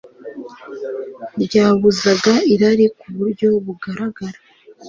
ryabuzaga irari ku buryo bugaragara